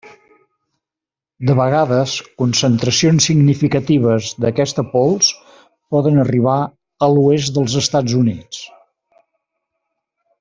De vegades concentracions significatives d’aquesta pols poden arribar a l’oest dels Estats Units.